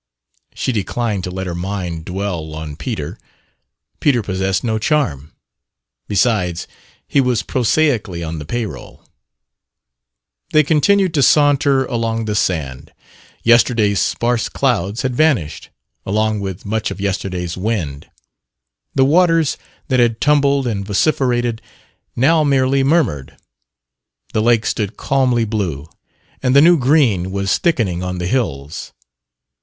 She declined to let her mind dwell on Peter. Peter possessed no charm. Besides, he was prosaically on the payroll. They continued to saunter along the sand. Yesterday's sparse clouds had vanished, along with much of yesterday's wind. The waters that had tumbled and vociferated now merely murmured. The lake stood calmly blue, and the new green was thickening on the hills.